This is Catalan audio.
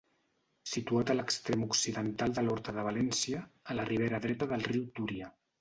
Situat a l'extrem occidental de l'Horta de València, a la ribera dreta del riu Túria.